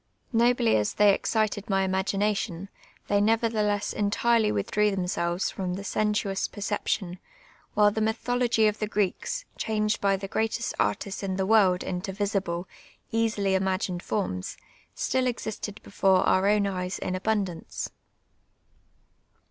Nobly as they excited my imagination, they ncver thelcKS entirely withdri'W themselves from the sensuous jK'r ception, while the mythology of the Cireeks, changed by the greutist artists in the world into visible, easily imagined forms, still existed before our own eyes in abundance.